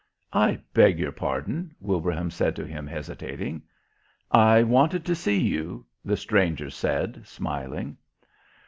"I beg your pardon," Wilbraham said to him, hesitating. "I wanted to see you," the Stranger said, smiling.